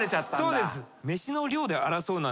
そうです。